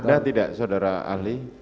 ada tidak saudara ahli